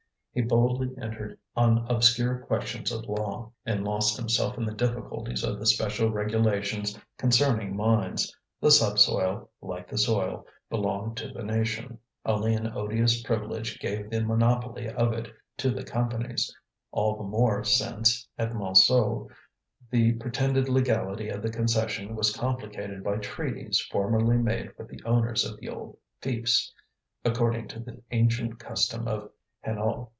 He boldly entered on obscure questions of law, and lost himself in the difficulties of the special regulations concerning mines. The subsoil, like the soil, belonged to the nation: only an odious privilege gave the monopoly of it to the Companies; all the more since, at Montsou, the pretended legality of the concession was complicated by treaties formerly made with the owners of the old fiefs, according to the ancient custom of Hainault.